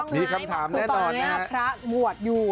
มีคำถามแน่นอนนะครับคือตอนนี้พระบวชอยู่